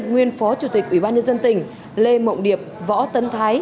nguyên phó chủ tịch ủy ban nhân dân tỉnh lê mộng điệp võ tấn thái